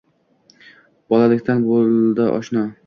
Bolalikdan boʼldi oshna.